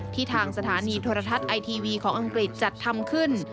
ทางสถานีโทรทัศน์ไอทีวีของอังกฤษจัดทำขึ้น